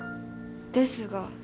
ですが。